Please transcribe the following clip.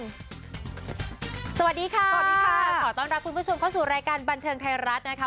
สวัสดีค่ะสวัสดีค่ะขอต้อนรับคุณผู้ชมเข้าสู่รายการบันเทิงไทยรัฐนะคะ